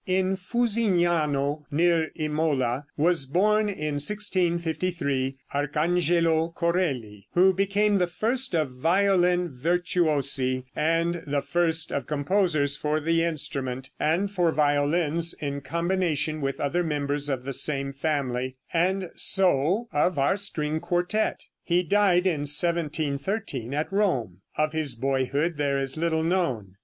In Fusignano, near Imola, was born in 1653 Archangelo Corelli, who became the first of violin virtuosi, and the first of composers for the instrument, and for violins in combination with other members of the same family, and so of our string quartette. He died in 1713 at Rome. Of his boyhood there is little known.